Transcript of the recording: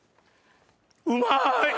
うまい！